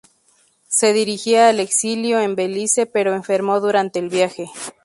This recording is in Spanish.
Se dirigía al exilio en Belice, pero enfermó durante el viaje.